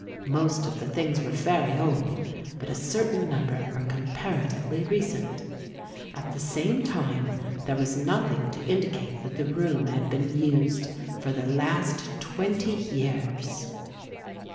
Most of the things were very old but a certain number were comparatively recent. At the same time there was nothing to indicate that the room had been used for the last twenty years.